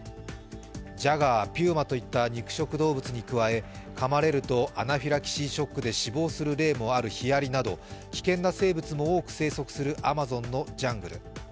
ジャガー、ピューマといった肉食動物などに加えかまれるとアナフィラキシーショックで死亡する例もあるヒアリなど危険な生物も多く生息するアマゾンのジャングル。